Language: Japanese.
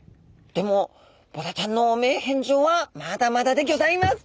でもボラちゃんの汚名返上はまだまだでギョざいます。